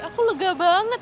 aku lega banget